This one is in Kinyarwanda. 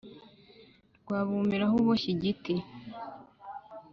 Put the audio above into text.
rwabumiraho uboshye igiti.